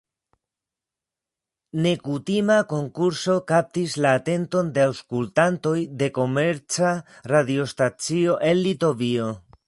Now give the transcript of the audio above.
Nekutima konkurso kaptis la atenton de aŭskultantoj de komerca radiostacio en Litovio.